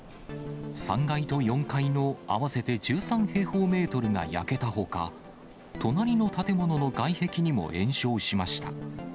３階と４階の合わせて１３平方メートルが焼けたほか、隣の建物の外壁にも延焼しました。